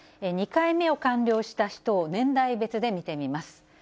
２回目を完了した人を年代別で見てみます。